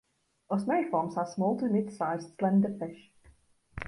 Osmeriformes are small to mid-sized slender fish.